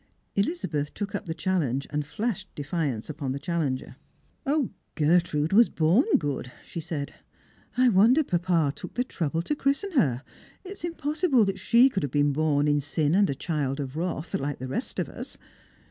Elizabeth took up the challenge and flashed defiance upon the challenger. " O, Gertrude was born good! " she said. " I wonder papa took the trouble to christen her. It is impossible tJiat she could have been born in sin and a child of wrath, like the rest of us.